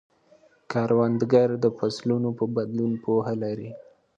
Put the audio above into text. کروندګر د فصلونو په بدلون پوهه لري